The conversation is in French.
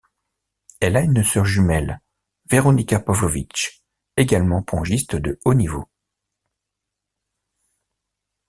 Elle a une sœur jumelle, Veronika Pavlovich, également pongiste de haut niveau.